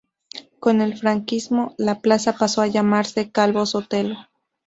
Con el franquismo la plaza pasó a llamarse Calvo Sotelo.